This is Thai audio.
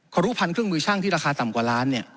ขอรุพันธ์เครื่องมือช่างที่ราคาต่ำกว่าล้านเนี่ย